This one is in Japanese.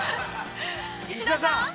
石田さん。